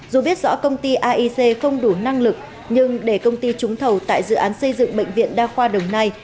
dù biết rõ công ty aic không đủ năng lực nhưng để công ty trúng thầu tại dự án xây dựng bệnh viện đa khoa đồng nai